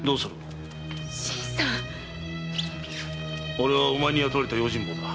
俺はお前に雇われた用心棒だ。